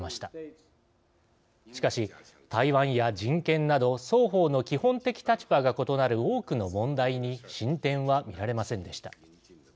しかし台湾や人権など双方の基本的立場が異なる多くの問題に進展はみられませんでした。